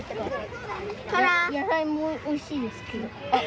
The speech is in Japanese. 野菜もおいしいんですけど。